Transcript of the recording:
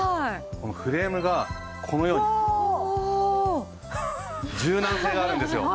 このフレームがこのように柔軟性があるんですよ。